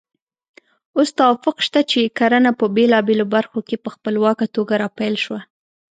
اوس توافق شته چې کرنه په بېلابېلو برخو کې په خپلواکه توګه راپیل شوه.